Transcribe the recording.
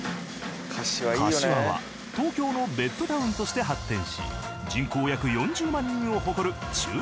柏は東京のベッドタウンとして発展し人口約４０万人を誇る中核都市。